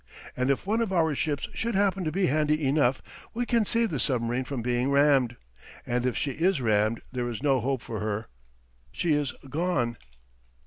And if one of our ships should happen to be handy enough, what can save the submarine from being rammed? And if she is rammed there is no hope for her she is gone.